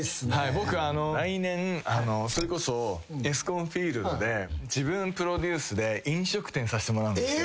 僕来年それこそＥＳＣＯＮＦＩＥＬＤで自分プロデュースで飲食店させてもらうんですよ。